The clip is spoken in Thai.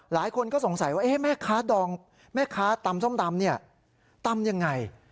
หลายคนก็สงสัยว่าแม่ค้าตำส้มตำนี่ตำยังไง